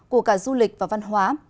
của cả du lịch và văn hóa